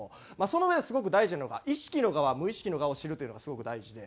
そのうえですごく大事なのが意識の側無意識の側を知るというのがすごく大事で。